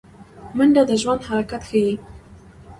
منډه د ژوند حرکت ښيي